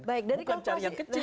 bukan cari yang kecil